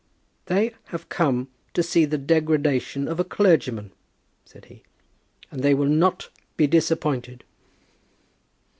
"They have come to see the degradation of a clergyman," said he; "and they will not be disappointed."